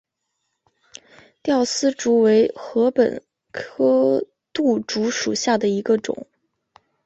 吊丝竹为禾本科牡竹属下的一个种。